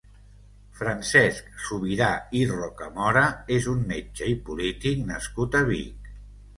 Francesc Subirà i Rocamora és un metge i polític nascut a Vic.